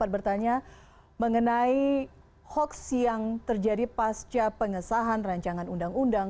tadi sebelum jeda saya sempat bertanya mengenai hoax yang terjadi pasca pengesahan rancangan undang undang